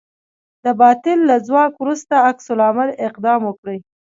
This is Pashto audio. د باطل له ځواک وروسته عکس العملي اقدام وکړئ.